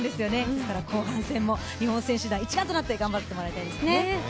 だから後半戦も日本選手団、一丸となって頑張ってもらいたいですね。